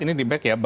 ini di back ya